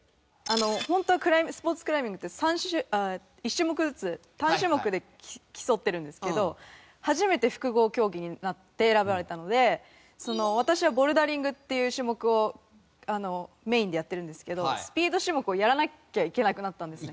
本当はスポーツクライミングって１種目ずつ単種目で競ってるんですけど初めて複合競技になって選ばれたので私はボルダリングっていう種目をメインでやってるんですけどスピード種目をやらなきゃいけなくなったんですね。